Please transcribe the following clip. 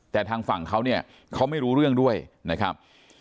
แต่ทางฝั่งเขาเนี่ยเขาไม่รู้เรื่องด้วยนะครับ